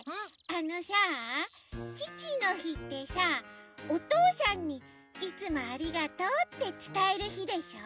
あのさちちのひってさおとうさんに「いつもありがとう」ってつたえるひでしょ？